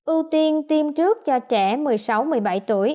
ưu tiên tiêm trước cho trẻ một mươi sáu một mươi bảy tuổi